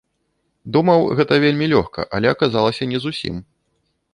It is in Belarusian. Думаў, гэта вельмі лёгка, але аказалася не зусім.